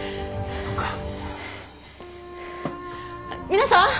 皆さん？